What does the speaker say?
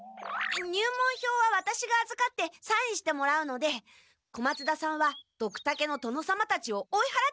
入門票はワタシがあずかってサインしてもらうので小松田さんはドクタケの殿様たちを追いはらってください。